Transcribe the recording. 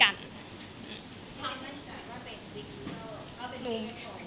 ความมั่นใจก็เป็นความสัมพันธ์กับคนอื่น